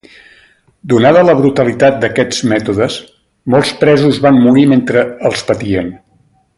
Donada la brutalitat d'aquests mètodes, molts presos van morir mentre els patien.